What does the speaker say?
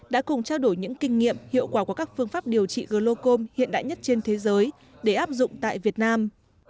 đã cùng trao đổi những kinh nghiệm hiệu quả của các phương pháp điều trị glocom hiện đại nhất trên thế giới để áp dụng tại việt nam